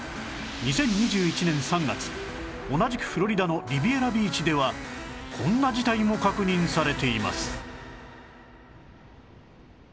２０２１年３月同じくフロリダのリビエラビーチではこんな事態も確認されています